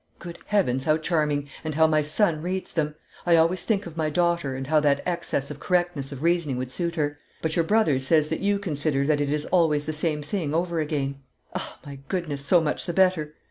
Good heavens, how charming! And how my son reads them! I always think of my daughter, and how that excess of correctness of reasoning would suit her; but your brother says that you consider that it is always the same thing over again. Ah! My goodness, so much the better!